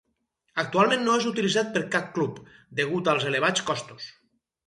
Actualment no és utilitzat per cap club, degut als elevats costos.